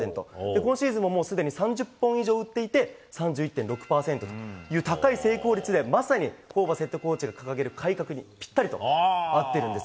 今シーズンもすでに３０本以上打っていて３６．１％という高い成功率でまさにホーバスヘッドコーチが掲げる改革にぴったりと合ってるんです。